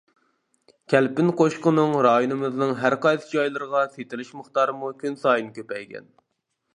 كەلپىن قوشۇقىنىڭ رايونىمىزنىڭ ھەرقايسى جايلىرىغا سېتىلىش مىقدارىمۇ كۈنسايىن كۆپەيگەن.